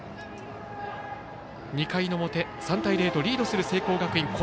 ２回の表３対０とリードする聖光学院。